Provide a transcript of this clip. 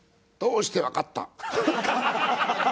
どうしてわかった？